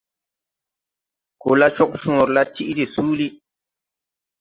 Kola Cogcõõre la tiʼ de suuli.